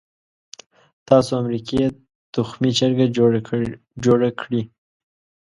تاسو امریکې تخمي چرګه جوړه کړې.